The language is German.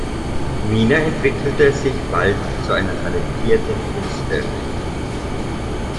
Mina entwickelte sich bald zu einer talentierten Künstlerin.